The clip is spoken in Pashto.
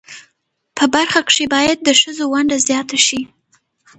په برخه کښی باید د خځو ونډه ځیاته شی